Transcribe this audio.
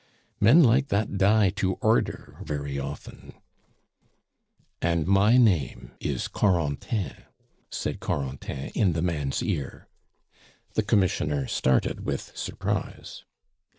Men like that die to order very often " "And my name is Corentin," said Corentin in the man's ear. The Commissioner started with surprise.